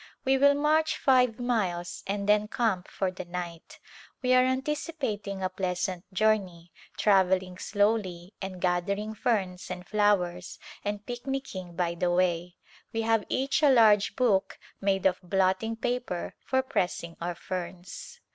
We will march five miles and then camp for the night. We are anticipating a pleasant journey, travelling slowly and gathering ferns and flowers and picnicking A Visit to the Hills by the way. We have each a large book made of blotting paper for pressing our ferns.